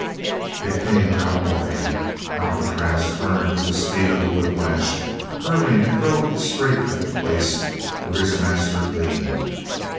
It came without warning. Alcatraz turned with the speed of a whiplash curling and drove straight at the place where his master leaned.